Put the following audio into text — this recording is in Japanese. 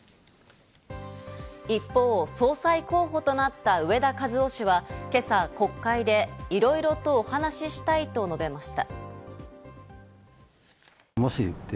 一方、総裁候補となった植田和男氏は今朝、国会でいろいろとお話したいと述べました。